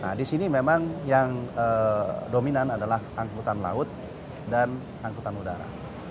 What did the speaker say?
nah di sini memang yang dominan adalah angkutan laut dan angkutan udara